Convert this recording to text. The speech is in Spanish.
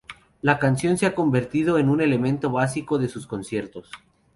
La canción se ha convertido en un elemento básico de sus conciertos.